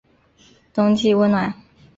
冬季温暖。